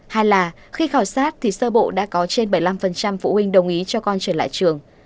hai là khi khảo sát thì sơ bộ đã có trên bảy mươi năm phụ huynh đồng ý cho con trở lại trường